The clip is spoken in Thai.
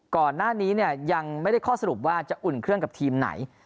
ก่อนหน้านี้ยังไม่ได้ข้อสรุปว่าจะอุ่นเครื่องกับทีมไหน